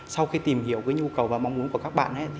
sau khi tìm hiểu nhu cầu và mong muốn của các bạn